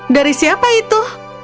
dari siapa itu